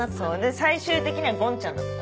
最終的には「ごんちゃん」だったかな。